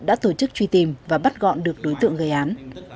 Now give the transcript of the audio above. đã tổ chức truy tìm và bắt gọn được đối tượng gây án